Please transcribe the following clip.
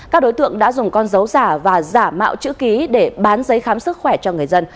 các đối tượng đã dùng con dấu giả và giả mạo chữ ký để bán giấy khám sức khỏe cho người dân